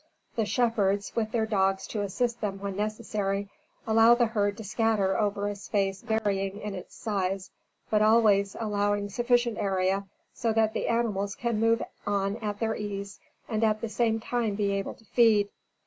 The shepherds, with their dogs to assist them when necessary, allow the herd to scatter over a space varying in its size, but always allowing sufficient area so that the animals can move on at their ease and at the same time be able to feed.